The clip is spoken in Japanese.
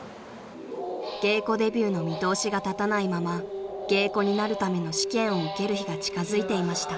［芸妓デビューの見通しが立たないまま芸妓になるための試験を受ける日が近づいていました］